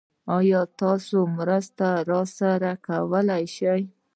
ايا تاسې مرسته راسره کولی شئ؟